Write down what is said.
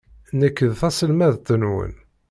Nekk d taselmadt-nwen.